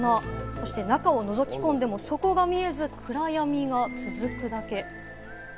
そして中をのぞき込んでも底が見えず、暗闇が続くだけ。